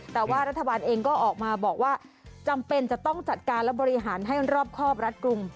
แต่ว่ารัฐบาลเองก็ออกมาบอกว่าจำเป็นจะต้องจัดการและบริหารให้รอบครอบรัดกลุ่ม